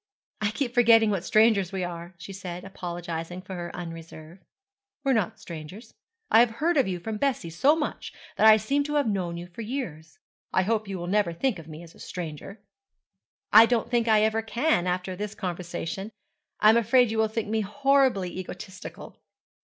'I keep forgetting what strangers we are,' she said, apologizing for her unreserve. 'We are not strangers. I have heard of you from Bessie so much that I seem to have known you for years. I hope you will never think of me as a stranger.' 'I don't think I ever can, after this conversation. I am afraid you will think me horribly egotistical.'